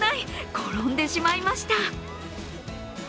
転んでしまいました。